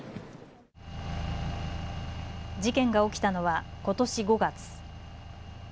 事件が起きたのはことし５月。